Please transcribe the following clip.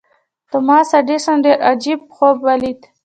توماس ايډېسن يو عجيب خوب وليد.